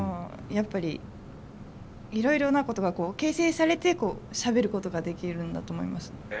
やっぱりいろいろなことが形成されてしゃべることができるんだと思います。